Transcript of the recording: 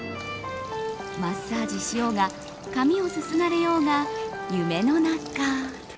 マッサージしようが髪をすすがれようが、夢の中。